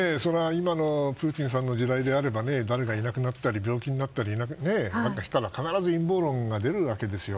今のプーチンさんの時代であれば誰かがいなくなったり病気になったりしたら必ず陰謀論が出るわけですよ。